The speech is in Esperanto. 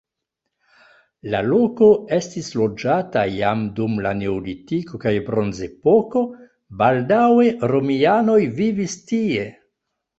La loko estis loĝata jam dum la neolitiko kaj bronzepoko, baldaŭe romianoj vivis tie.